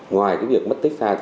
ngoài việc mất tích ra